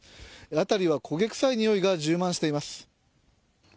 辺りは焦げ臭いにおいが充満しています。